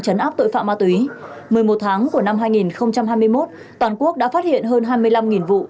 chấn áp tội phạm ma túy một mươi một tháng của năm hai nghìn hai mươi một toàn quốc đã phát hiện hơn hai mươi năm vụ